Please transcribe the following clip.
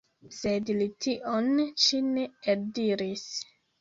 Sed li tion ĉi ne eldiris.